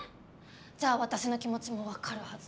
じゃあ私の気持ちも分かるはず。